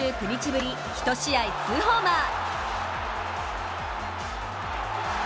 ぶり１試合２ホーマー！